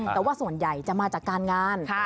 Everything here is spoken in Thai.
แต่ว่าส่วนใหญ่จะมาจากการงาน